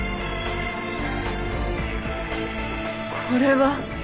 これは。